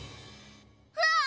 うわっ！